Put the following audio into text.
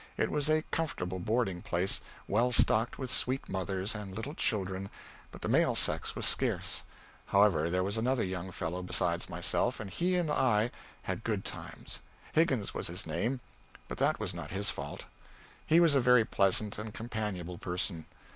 It was a comfortable boarding place, well stocked with sweet mothers and little children, but the male sex was scarce; however, there was another young fellow besides myself, and he and I had good times Higgins was his name, but that was not his fault. He was a very pleasant and companionable person.